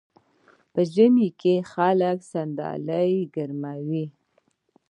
په ژمي کې خلک صندلۍ ګرموي.